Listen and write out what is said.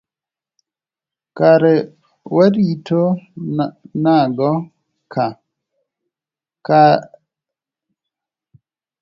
Kare warito nago ka.